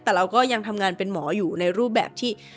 แต่เราก็ยังทำงานเป็นหมออยู่ในรูปแบบที่